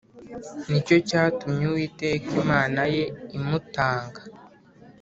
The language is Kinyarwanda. Ni cyo cyatumye Uwiteka Imana ye imutanga